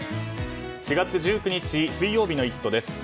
４月１９日水曜日の「イット！」です。